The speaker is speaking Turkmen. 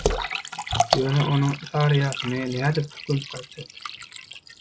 Ýöne onuň «Saryýasyny» nädip, gömüp gaýtjak.